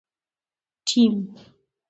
ټیم